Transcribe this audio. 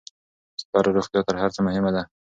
ستا روغتيا تر هر څۀ مهمه ده.